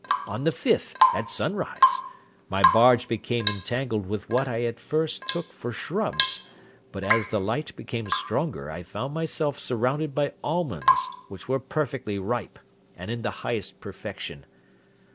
On the fifth, at sunrise, my barge became entangled with what I at first took for shrubs, but as the light became stronger I found myself surrounded by almonds, which were perfectly ripe, and in the highest perfection.